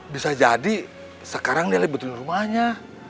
bisa jadi sekarang dia liputan rumahnya